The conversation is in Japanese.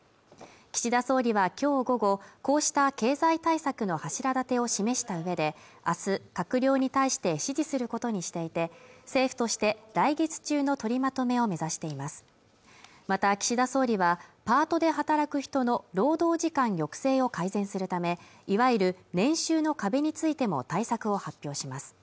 岸田総理はきょう午後こうした経済対策の柱だてを示したうえであす閣僚に対して指示することにしていて政府として来月中の取りまとめを目指していますまた岸田総理はパートで働く人の労働時間抑制を改善するためいわゆる年収の壁についても対策を発表します